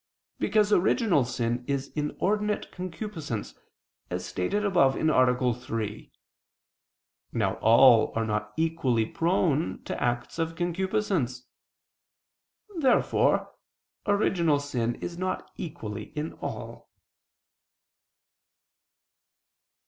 Because original sin is inordinate concupiscence, as stated above (A. 3). Now all are not equally prone to acts of concupiscence. Therefore original sin is not equally in all.